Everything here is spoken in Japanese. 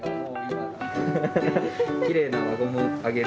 きれいな輪ゴムあげる。